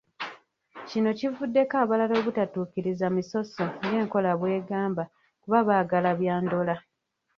Kino kivuddeko abalala obutatuukiriza misoso ng’enkola bw’egamba kuba baagala bya ndola.